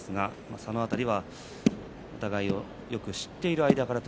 その辺りは、お互いをよく知っているという間柄です。